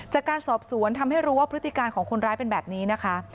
จากการสอบสวนทำให้รู้ว่าพฤติการของคนร้ายเป็นแบบนี้นะคะ